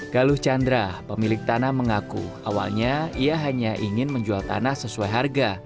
galuh chandra pemilik tanah mengaku awalnya ia hanya ingin menjual tanah sesuai harga